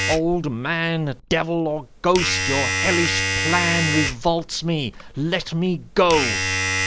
Old Man! Devil or Ghost! Your hellish plan Revolts me. Let me go."